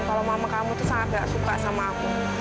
kalau mama kamu tuh sangat nggak suka sama aku